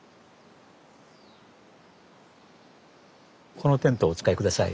このテントお使い下さい。